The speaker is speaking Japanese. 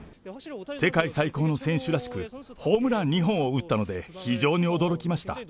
世界最高の選手らしく、ホームラン２本を打ったので、非常に驚きました。